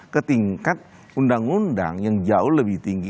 ketingkat undang undang yang jauh lebih tinggi